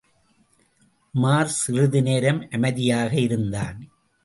உமார் சிறிது நேரம் அமைதியாக இருந்தான்.